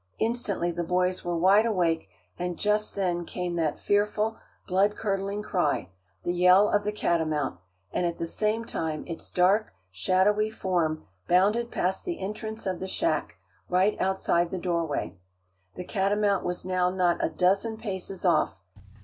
Instantly the boys were wide awake, and just then came that fearful, blood curdling cry, the yell of the catamount, and at the same time its dark, shadowy form bounded past the entrance of the shack, right outside the doorway. The catamount was now not a dozen paces off.